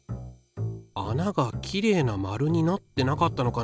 穴がきれいな円になってなかったのかなあ。